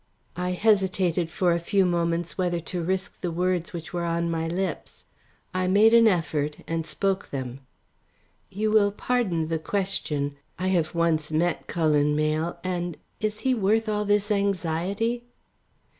I hesitated for a few moments whether to risk the words which were on my lips. I made an effort and spoke them. "You will pardon the question I have once met Cullen Mayle and is he worth all this anxiety?"